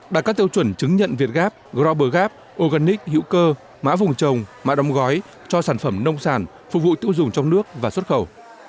đạt các tiêu chuẩn chứng nhận việt gap global gap organic hữu cơ mã vùng trồng mã đóng gói cho sản phẩm nông sản phục vụ tiêu dùng trong nước và xuất khẩu